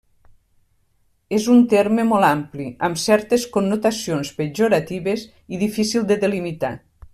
És un terme molt ampli, amb certes connotacions pejoratives i difícil de delimitar.